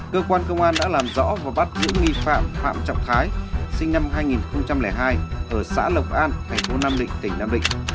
cơ quan công an đã làm rõ và bắt những nghi phạm phạm trọng thái sinh năm hai nghìn hai ở xã lộc an thành phố nam định tỉnh nam định